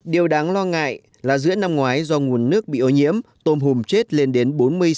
điều đáng lo ngại là giữa năm ngoái do nguồn nước bị ô nhiễm tôm hùm chết lên đến bốn mươi sáu